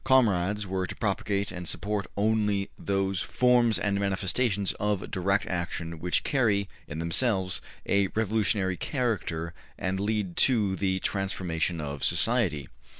'' Comrades were to ``propagate and support only those forms and manifestations of direct action which carry, in themselves, a revolutionary character and lead to the transformation of society.''